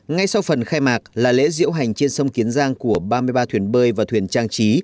ngay sau phần khai mạc là lễ diễu hành trên sông kiến giang của ba mươi ba thuyền bơi và thuyền trang trí